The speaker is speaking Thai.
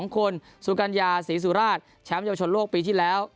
๒คนสุกัญญาศรีสุราชแชมป์เยาวชนโลกปีที่แล้ว